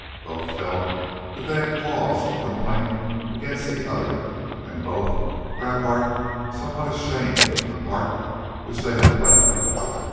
Both felt that they had cause of complaint against the other, and both were at heart somewhat ashamed of the part which they had played.